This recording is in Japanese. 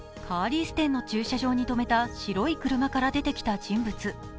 カーリース店の駐車場に止めた白い車から出てきた人物。